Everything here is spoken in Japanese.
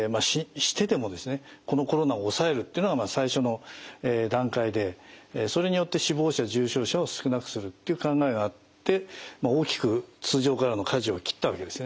このコロナを抑えるってのがまあ最初の段階でそれによって死亡者・重症者を少なくするっていう考えがあって大きく通常からのかじを切ったわけですね。